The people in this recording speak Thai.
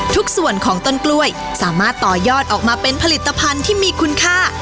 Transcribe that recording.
ทุกส่วนของต้นกล้วยสามารถต่อยอดออกมาเป็นผลิตภัณฑ์ที่มีคุณค่า